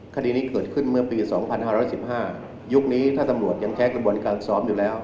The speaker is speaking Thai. คณีนี้เกิดขึ้นเมื่อปีสองพันห้าร้อยสิบห้ายุคนี้ถ้าสำรวจยังแชร์กระบวนการซ้อมอยู่แล้ว